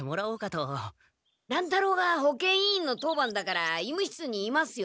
乱太郎が保健委員の当番だから医務室にいますよ。